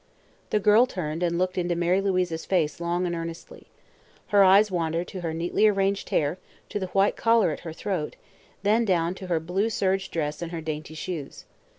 The girl turned and looked into Mary Louise's face long and earnestly. Her eyes wandered to her neatly arranged hair, to the white collar at her throat, then down to her blue serge dress and her dainty shoes.